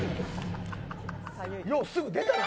ようすぐ出たな。